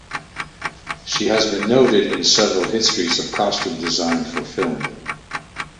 She has been noted in several histories of costume design for film.